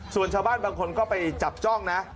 ส่วนชาวบ้านบางคนก็ไปจับจ้องนะ